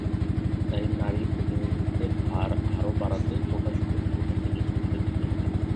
তাই নারী প্রতিনিধিত্বের হার আরও বাড়াতে কোটাসহ বিভিন্ন সুযোগসুবিধা দিতে হবে।